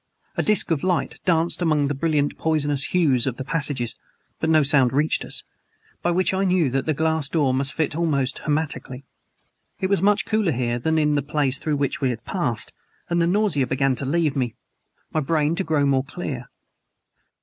A disk of light danced among the brilliant poison hues of the passages but no sound reached us; by which I knew that the glass door must fit almost hermetically. It was much cooler here than in the place through which we had passed, and the nausea began to leave me, my brain to grow more clear.